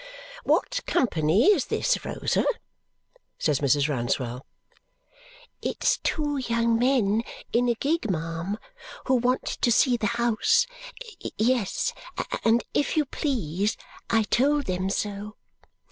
"What company is this, Rosa?" says Mrs. Rouncewell. "It's two young men in a gig, ma'am, who want to see the house yes, and if you please, I told them so!"